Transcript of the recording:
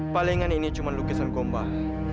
palingan ini cuma lukisan kombah